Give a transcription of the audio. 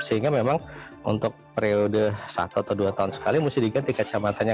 sehingga memang untuk periode satu atau dua tahun sekali mesti diganti kacamatanya